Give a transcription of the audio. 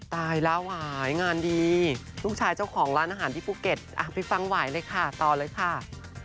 ตายแล้วหวายงานดีลูกชายเจ้าของร้านอาหารที่ภูเก็ตไปฟังหวายเลยค่ะต่อเลยค่ะ